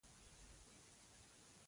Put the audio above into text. سوداګر راغلل او په پسه یې لاس کېښود.